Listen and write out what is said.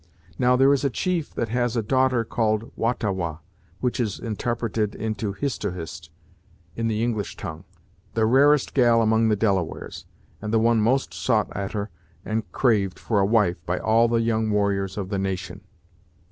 Now, there is a chief that has a daughter called Wah ta Wah, which is intarpreted into Hist oh Hist, in the English tongue, the rarest gal among the Delawares, and the one most sought a'ter and craved for a wife by all the young warriors of the nation.